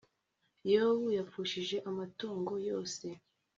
yobu yapfushije amatungo yose